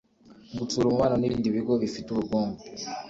gutsura umubano n ibindi bigo bifite ubukungu